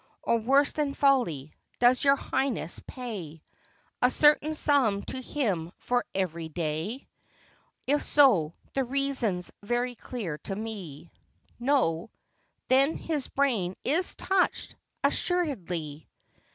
Or worse than folly. Does your Highness pay A certain sum to him for every day? If so, the reason 's very clear to see. No? Then his brain is touched, assuredly.